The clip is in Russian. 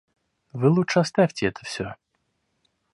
Вы лучше оставьте это всё.